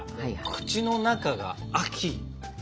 口の中が秋！